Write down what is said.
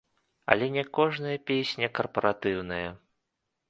Але не кожная песня карпаратыўная.